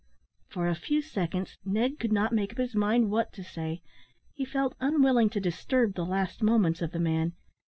For a few seconds Ned could not make up his mind what to say. He felt unwilling to disturb the last moments of the man.